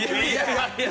いやいや。